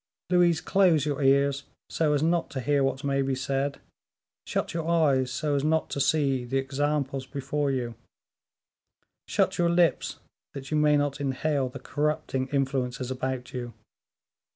Louise, close your ears, so as not to hear what may be said; shut your eyes, so as not to see the examples before you; shut your lips, that you may not inhale the corrupting influences about you.